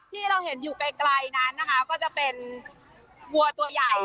ที่เราเห็นอยู่ไกลนั้นนะคะก็จะเป็นวัวตัวใหญ่